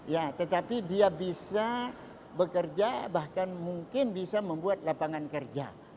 ya tetapi dia bisa bekerja bahkan mungkin bisa membuat lapangan kerja